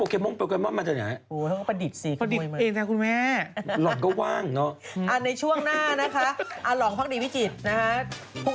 กำลังจะเร่งมือมีทายาท